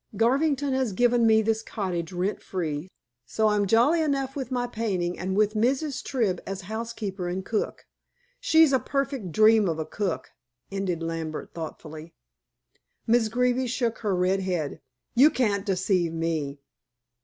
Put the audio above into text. Garvington has given me this cottage rent free, so I'm jolly enough with my painting and with Mrs. Tribb as housekeeper and cook. She's a perfect dream of a cook," ended Lambert thoughtfully. Miss Greeby shook her red head. "You can't deceive me."